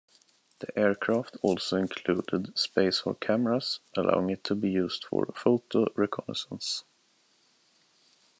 The aircraft also included space for cameras, allowing it to be used for photo-reconnaissance.